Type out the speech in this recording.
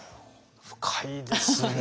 深いですね。